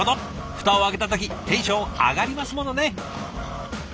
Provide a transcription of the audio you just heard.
蓋を開けた時テンション上がりますものね！